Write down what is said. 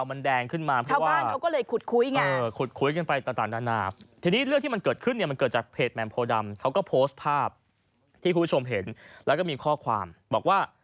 ภาพที่คุณผู้ชมเห็นแล้วก็มีข้อความบอกว่า